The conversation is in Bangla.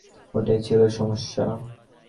ওটাই ছিল সমস্যা।